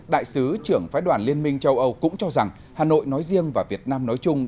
đại sứ trưởng phái đoàn liên minh châu âu cũng cho rằng hà nội nói riêng và việt nam nói chung